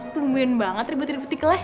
bumbuin banget ribet ribet di kelas